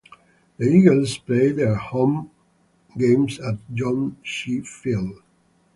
The Eagles played their home games at John Shea Field.